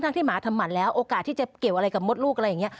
ที่หมาทำหัดแล้วโอกาสที่จะเกี่ยวอะไรกับมดลูกอะไรอย่างนี้